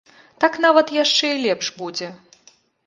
Так нават яшчэ і лепш будзе.